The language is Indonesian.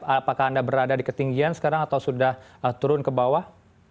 apakah anda berada di ketinggian sekarang atau sudah turun ke bawah